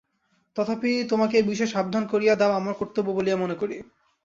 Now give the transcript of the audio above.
তথাপি তোমাকে এ বিষয়ে সাবধান করিয়া দেওয়া আমার কর্তব্য বলিয়া মনে করি।